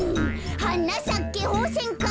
「はなさけホウセンカ」